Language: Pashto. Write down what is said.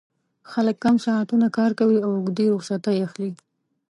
خلک کم ساعتونه کار کوي او اوږدې رخصتۍ اخلي